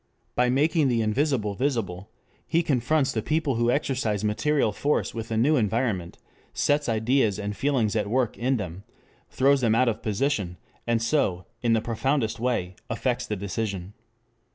By making the invisible visible, he confronts the people who exercise material force with a new environment, sets ideas and feelings at work in them, throws them out of position, and so, in the profoundest way, affects the decision.